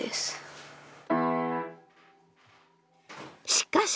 しかし。